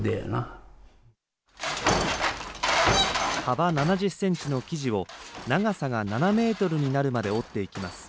幅７０ｃｍの生地を長さが７ｍになるまで織っていきます。